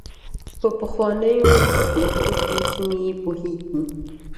په پخوانیو سپین ږیرو کې ځینې یې پوهیږي.